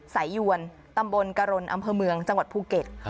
ยวนตำบลกรณอำเภอเมืองจังหวัดภูเก็ต